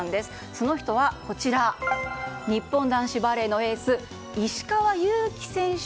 その人は日本男子バレーのエース石川祐希選手。